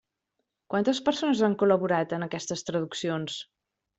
Quantes persones han col·laborat en aquestes traduccions?